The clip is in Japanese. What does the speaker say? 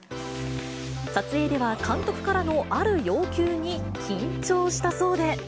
撮影では監督からのある要求に緊張したそうで。